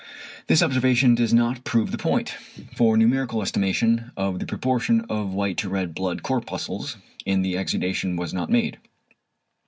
This observation does not prove the point, for numerical estimation of the proportion of white to red blood corpuscles in the exudation was not made.